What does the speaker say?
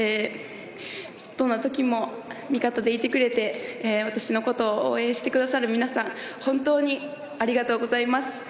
どんな時も味方でいてくれて私のことを応援してくださる皆さん本当にありがとうございます。